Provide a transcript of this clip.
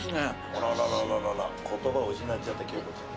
あらららららら言葉を失っちゃった京子ちゃん。